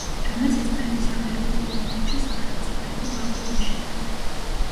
რამაც ესპანეთის ამერიკულ კოლონიებში სახელისუფლებო ვაკუუმი შექმნა.